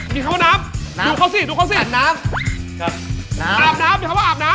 มันได้ของดีเนอะ